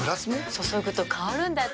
注ぐと香るんだって。